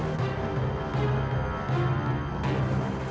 aku akan menanggungmu